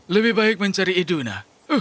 lebih baik mencari iduna